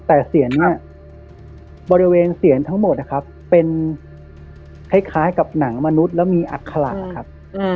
แต่เสียงเนี่ยบริเวณเสียนทั้งหมดนะครับเป็นคล้ายกับหนังมนุษย์แล้วมีอัคระครับ